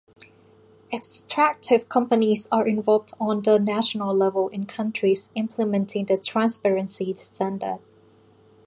Extractive companies are involved on the national level in countries implementing the transparency standard.